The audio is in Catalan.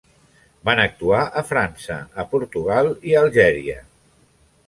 Van actuar a França, a Portugal i a Algèria.